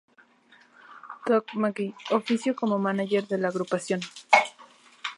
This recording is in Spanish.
Doc McGhee ofició como manager de la agrupación.